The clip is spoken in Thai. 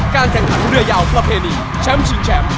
แข่งขันเรือยาวประเพณีแชมป์ชิงแชมป์